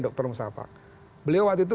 dr musafa beliau waktu itu